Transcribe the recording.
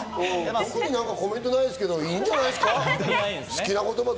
特にコメントないですけどいいんじゃないですか？